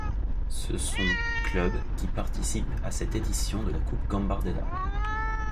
Ce sont clubs qui participent à cette édition de la coupe Gambardella.